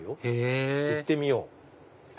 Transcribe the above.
へぇ行ってみよう！